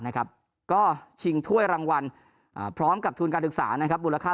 นะครับก็ชิงถ้วยรางวัลพร้อมกับทุนการศึกษานะครับมูลค่า